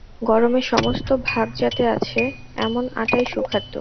গরমে সমস্ত ভাগ যাতে আছে, এমন আটাই সুখাদ্য।